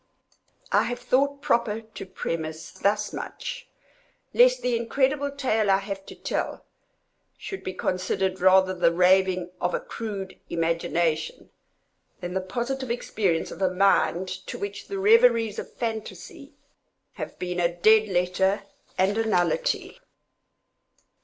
I have thought proper to premise thus much, lest the incredible tale I have to tell should be considered rather the raving of a crude imagination, than the positive experience of a mind to which the reveries of fancy have been a dead letter and a nullity.